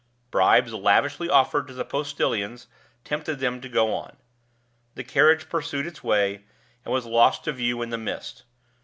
Bribes lavishly offered to the postilions, tempted them to go on. The carriage pursued its way, and was lost to view in the mist.